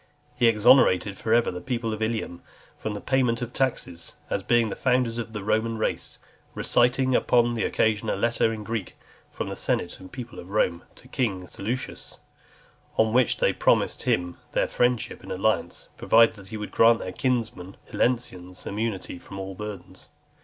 He exonerated for ever the people of Ilium from the payment of taxes, as being the founders of the Roman race; reciting upon the occasion a letter in Greek, (318) from the senate and people of Rome to king Seleucus , on which they promised him their friendship and alliance, provided that he would grant their kinsmen the Iliensians immunity from all burdens.